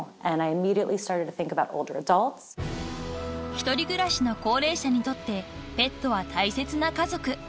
［１人暮らしの高齢者にとってペットは大切な家族］